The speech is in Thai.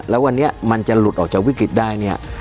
แล้ววันนี้มันจะหลุดออกจากวิกฤตได้เนี่ย